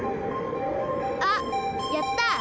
あっやった！